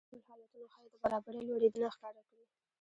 دا ډول حالتونه ښايي د برابرۍ لوړېدنه ښکاره کړي